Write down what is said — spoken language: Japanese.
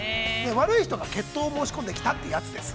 ◆悪い人が決闘を申し込んできたっていうやつです。